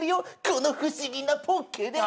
「この不思議なポッケでね」